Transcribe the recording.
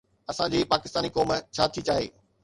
اسان جي پاڪستاني قوم ڇا ٿي چاهي؟